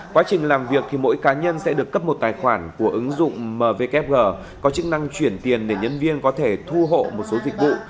quá trình làm việc thì mỗi cá nhân sẽ được cấp một tài khoản của ứng dụng mvkg có chức năng chuyển tiền để nhân viên có thể thu hộ một số dịch vụ